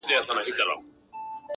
د دوى مخي ته لاسونه پرې كېدله-